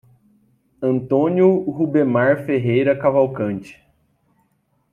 Antônio Rubemar Ferreira Cavalcante